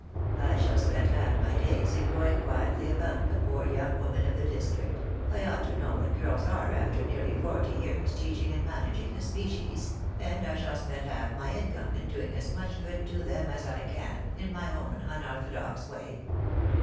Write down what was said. I shall spend half my days in going quietly about among the poor young women of the district — I ought to know what girls are after nearly forty years' teaching and managing the species — and I shall spend half my income in doing as much good to them as I can, in my own un orthodox way.'